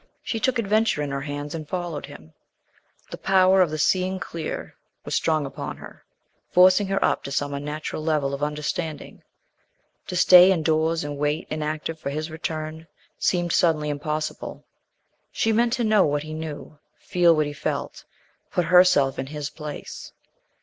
She took adventure in her hands and followed him. The power of seeing clear was strong upon her, forcing her up to some unnatural level of understanding. To stay indoors and wait inactive for his return seemed suddenly impossible. She meant to know what he knew, feel what he felt, put herself in his place.